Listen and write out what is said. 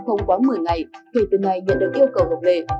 không quá một mươi ngày thì từ nay nhận được yêu cầu một lệ